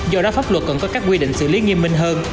do đó pháp luật cần có các quy định xử lý nghiêm minh hơn